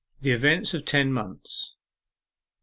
THE EVENTS OF TEN MONTHS 1.